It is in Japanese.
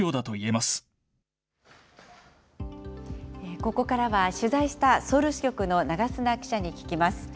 ―ここからは、取材したソウル支局の長砂記者に聞きます。